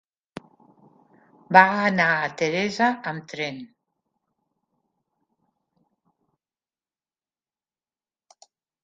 Va anar a Teresa amb tren.